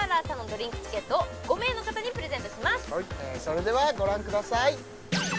今日はそれではご覧ください